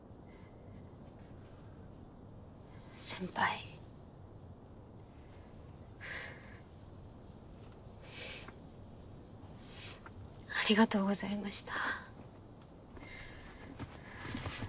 先輩ありがとうございました。